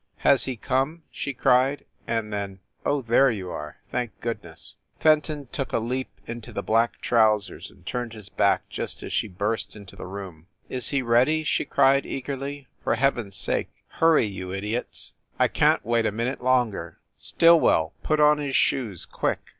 "Has he come ?" she cried. And then, "Oh, there you are ! Thank goodness !" Fenton took a leap into the black trousers and turned his back just as she burst into the room. "Is he ready?" she cried, eagerly. "For heaven s sake hurry, you idiots ! I can t wait a minute longer. For heaven s sake, hurry !" WYCHERLEY COURT 231 Stillwell, put on his shoes, quick!